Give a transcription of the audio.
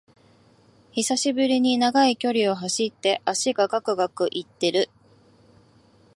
久しぶりに長い距離を走って脚がガクガクいってる